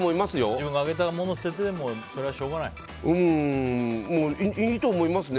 自分があげたものを捨ててもそれはしょうがない？いいと思いますね。